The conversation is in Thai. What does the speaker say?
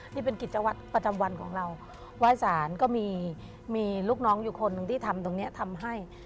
ที่เป็นกิจวัตรประจำวันของเราไหว้สารก็มีลูกน้องอยู่คนหนึ่งที่ทำตรงนี้ทำให้